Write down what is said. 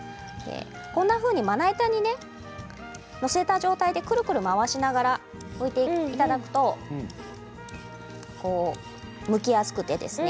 まな板に載せた状態でくるくる回しながらむいていただくとむきやすくていいんですね。